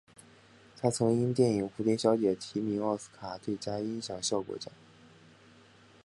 他曾因电影蝴蝶小姐提名奥斯卡最佳音响效果奖。